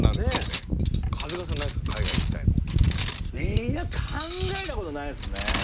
いや考えたことないっすね。